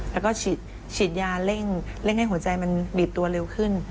แล้วก็ฉีดยาเร่งให้หัวใจมันบีบตัวเร็วขึ้น